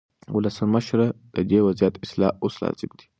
ولسمشره، د دې وضعیت اصلاح اوس لازم دی.